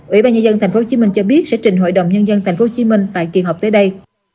ủy ban nhân dân tp hcm cho biết sẽ trình hội đồng nhân dân tp hcm tại kỳ họp tới đây